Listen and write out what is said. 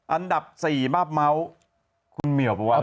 อันดับ๔บ้าบเม้าคุณเมียวประวัติรัฐ